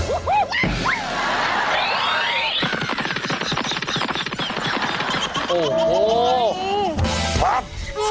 โอ้โหพัก